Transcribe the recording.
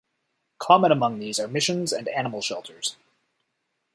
Common among these are missions and animal shelters.